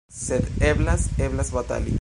Sed eblas, eblas batali!